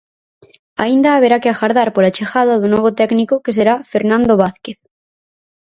Aínda haberá que agardar pola chegada do novo técnico, que será Fernando Vázquez.